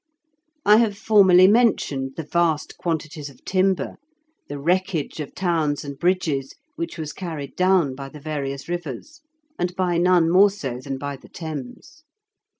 I have formerly mentioned the vast quantities of timber, the wreckage of towns and bridges which was carried down by the various rivers, and by none more so than by the Thames.